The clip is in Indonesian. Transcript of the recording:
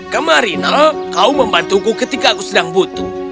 kemarina kau membantuku ketika aku sedang butuh